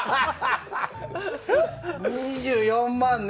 ２４万ね。